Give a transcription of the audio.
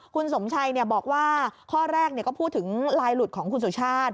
คุณสมชัยบอกว่าข้อแรกก็พูดถึงลายหลุดของคุณสุชาติ